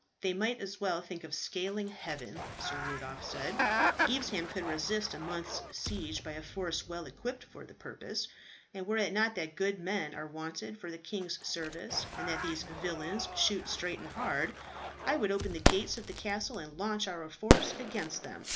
"They might as well think of scaling heaven," Sir Rudolph said. "Evesham could resist a month's siege by a force well equipped for the purpose; and were it not that good men are wanted for the king's service, and that these villains shoot straight and hard, I would open the gates of the castle and launch our force against them.